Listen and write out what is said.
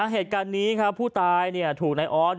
เหตุการณ์นี้ครับผู้ตายถูกนายออส